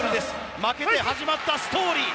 負けて始まったストーリー。